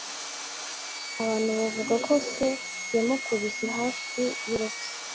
Abantu bavuga ko se yamukubise hafi y'urupfu.